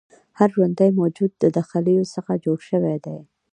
هر ژوندی موجود د خلیو څخه جوړ شوی دی